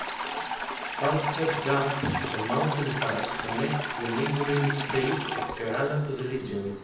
Palghat Gap, a mountain pass connects the neighbouring state of Kerala to the region.